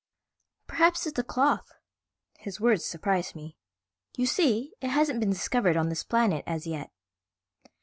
"Perhaps it's the cloth." His words surprised me. "You see, it hasn't been discovered on this planet as yet."